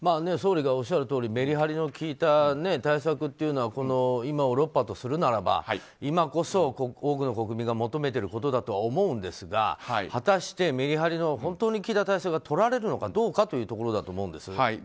総理がおっしゃるとおりメリハリの効いた対策は今を６波とするならば今こそ多くの国民が求めていることだとは思うんですが、果たして本当にメリハリの効いた対策がとられるのかどうかというところだと思うんです。